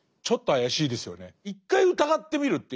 一回疑ってみるという。